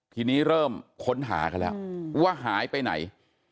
ทีนี้เริ่มค้นหากันแล้วว่าหายไปไหน